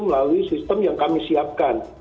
melalui sistem yang kami siapkan